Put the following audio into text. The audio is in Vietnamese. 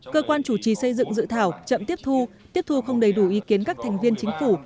cơ quan chủ trì xây dựng dự thảo chậm tiếp thu tiếp thu không đầy đủ ý kiến các thành viên chính phủ